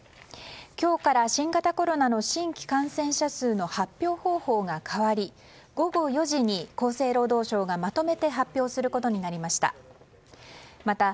今日から新型コロナの新規感染者数の発表方法が変わり午後４時に厚生労働省がまとめて発表することになりました。